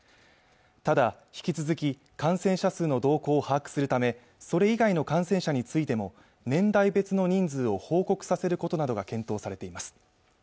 ただ引き続き感染者数の動向を把握するためそれ以外の感染者についても年代別の人数を報告させることなどが検討されています